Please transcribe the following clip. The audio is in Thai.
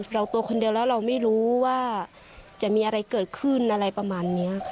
ตัวคนเดียวแล้วเราไม่รู้ว่าจะมีอะไรเกิดขึ้นอะไรประมาณนี้ค่ะ